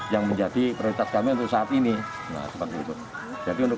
yang menjadi prioritas kami untuk saat ini jadi untuk kedepannya kita tetap akan melakukan